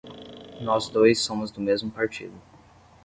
Nós dois somos do mesmo partido